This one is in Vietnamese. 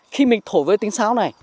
khi mình thổ với tiếng sáo này